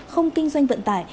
không kinh doanh vận tải